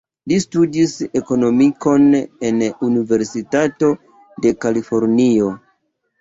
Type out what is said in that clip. Li studis ekonomikon en Universitato de Kalifornio.